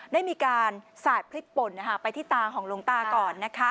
ได้มีการสาดพริกป่นไปที่ตาของหลวงตาก่อน